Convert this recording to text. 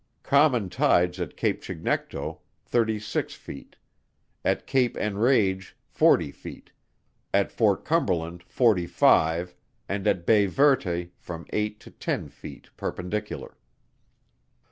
Common tides at Cape Chignecto, thirty six feet; at Cape Enrage, forty feet; at Fort Cumberland, forty five; and at Bay Verte, from eight to ten feet perpendicular.